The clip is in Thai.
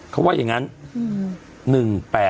เขาว่าอย่างงั้น๑๘๐๖เนาะ